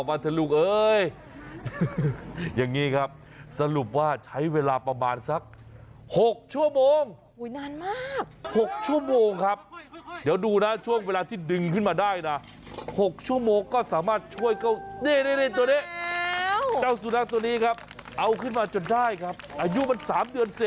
แม่ก็ยังเป็นห่วงอยู่เฮ้ยเมื่อไหร่จะออกมานะออกมาเถอะลูกเอ้ย